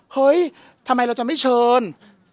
เฮ้ยทำไมเราจะไม่เชิญ